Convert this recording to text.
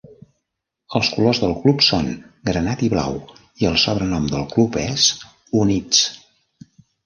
Els colors del club són granat i blau i el sobrenom del club és "Units".